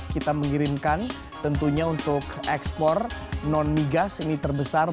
kita mengirimkan tentunya untuk ekspor non migas ini terbesar